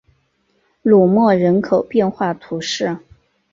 卢莫人口变化图示